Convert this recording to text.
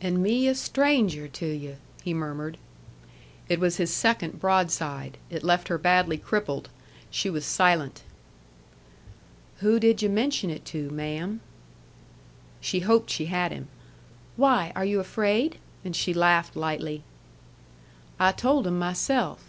"And me a stranger to you!" he murmured. It was his second broadside. It left her badly crippled. She was silent. "Who did yu' mention it to, ma'am?" She hoped she had him. "Why, are you afraid?" And she laughed lightly. "I told 'em myself.